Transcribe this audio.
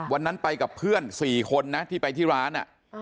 วันนั้นไปกับเพื่อน๔คนนะที่ไปที่ร้าน